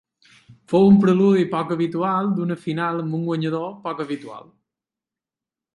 Fou un preludi poc habitual d’una final amb un guanyador poc habitual.